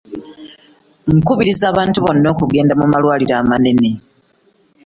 Nkubiriza abantu bonna okugenda mu malwaliro amanene.